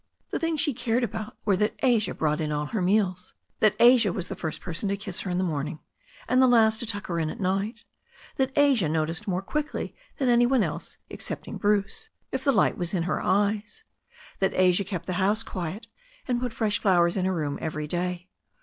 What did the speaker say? The things she cared about were that Asia brought in all her meals, that Asia was the first person to kiss her in the morning, and the last to tuck h in at night, that Asia noticed more quickly than any one else, excepting Bruce, if the light was in her eyes, that Asia kept the house quiet, and put fresh flowers in her room every day.